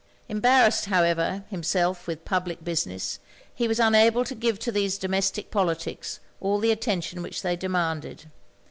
Embarrassed, however, himself with public business, he was unable to give to these domestic politics all the attention which they demanded.